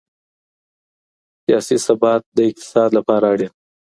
سياسي ثبات د اقتصاد لپاره اړين دی.